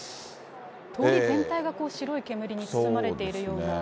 通り全体が白い煙に包まれているような。